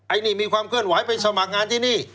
อันนี้มีความเคลื่อนไหวไปสมัครงานที่นี่